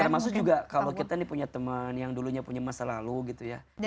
termasuk juga kalau kita ini punya teman yang dulunya punya masa lalu gitu ya